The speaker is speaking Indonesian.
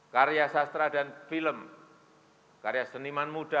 karya sastra dan film karya seniman muda